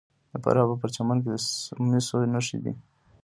د فراه په پرچمن کې د مسو نښې شته.